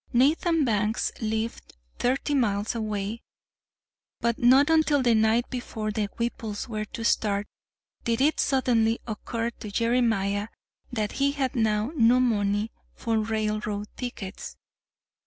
Nathan Banks lived thirty miles away, but not until the night before the Whipples were to start did it suddenly occur to Jeremiah that he had now no money for railroad tickets.